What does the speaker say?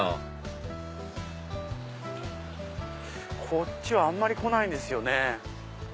こっちはあんまり来ないんですよね。